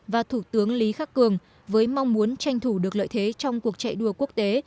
và thủ tướng lý khắc cường với mong muốn tranh thủ được lợi thế trong cuộc chạy đua quốc tế